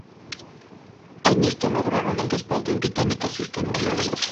En esto lograron el respaldo de británicos y estadounidenses.